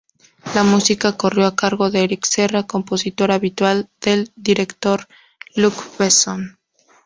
La música corrió a cargo de Éric Serra, compositor habitual del director Luc Besson.